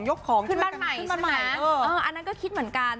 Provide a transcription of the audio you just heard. ของขึ้นบ้านใหม่ขึ้นมาใหม่อันนั้นก็คิดเหมือนกัน